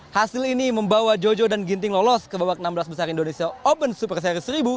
hasil ini membawa jojo dan ginting lolos ke babak enam belas besar indonesia open super series seribu sembilan ratus